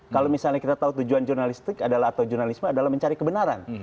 kalau misalnya kita tahu tujuan jurnalistik atau jurnalisme adalah mencari kebenaran